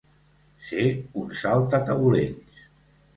Ser un saltataulells.